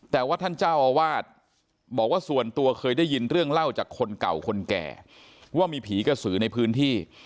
แต่ว่าท่านเจ้าอาวาสบอกว่าส่วนตัวเคยได้ยินเรื่องเล่าจากคนเก่าคนแก่ว่ามีผีกระสือในพื้นที่